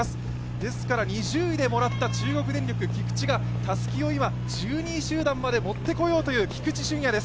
ですから２０位でもらった中国電力、菊地が１２位集団までもってこようという菊地駿弥です。